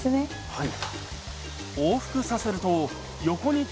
はい。